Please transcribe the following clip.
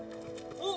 おっ！